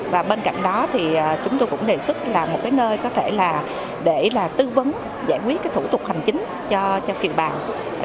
và bên cạnh đó thì chúng tôi cũng đề xuất là một cái nơi có thể là để là tư vấn giải quyết cái thủ tục hành chính cho kiều bào